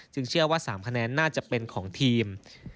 เชื่อว่า๓คะแนนน่าจะเป็นของทีม